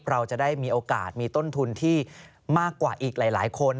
เราจะได้มีโอกาสมีต้นทุนที่มากกว่าอีกหลายคน